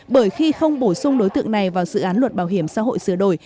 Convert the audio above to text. bởi khi không bổ sung đối tượng này vào dự án luật bảo hiểm xã hội sửa đổi